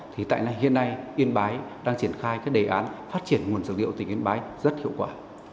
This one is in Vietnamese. thì tại này hiện nay yên bái đang triển khai các đề án phát triển nguồn dược liệu tỉnh yên bái rất hiệu quả